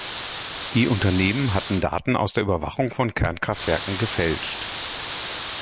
Die Unternehmen hatten Daten aus der Überwachung von Kernkraftwerken gefälscht.